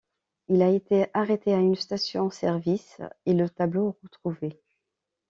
Il a été arrêté à une station service et le tableau retrouvé.